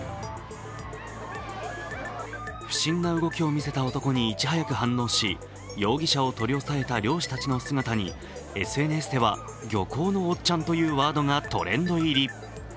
不審な動きを見せた男にいち早く反応し容疑者を取り押さえた漁師たちの姿にＳＮＳでは漁港のおっちゃんというワードがトレンド入り。